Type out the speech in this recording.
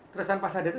terus tanpa sadar itu